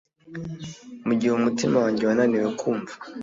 mugihe umutima wanjye wananiwe kumva.